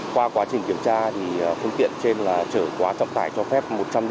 qua quá trình kiểm tra thì phương tiện trên là trở quá trọng tải cho phép một trăm linh